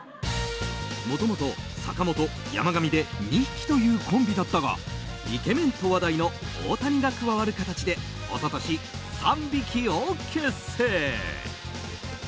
もともと坂元、山上で二匹というコンビだったがイケメンと話題の大谷が加わる形で一昨年、三匹を結成。